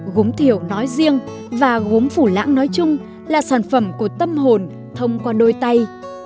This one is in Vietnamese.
gốm thiểu nói riêng và gốm phủ lãng nói chung là sản phẩm của tâm hồn thông qua đôi tay